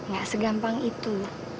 gak segampang itu